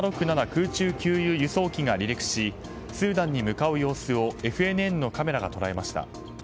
空中給油・輸送機が離陸しスーダンに向かう様子をＦＮＮのカメラが捉えました。